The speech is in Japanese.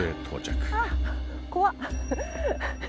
怖っ！